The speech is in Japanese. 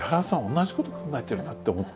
同じこと考えてるなって思った。